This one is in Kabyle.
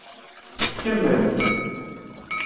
Kemmel.